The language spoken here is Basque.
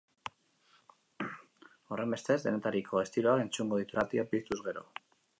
Horrenbestez, denetariko estiloak entzungo dituzue aste honetatik aurrera, irratia piztuz gero.